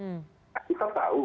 nah kita tahu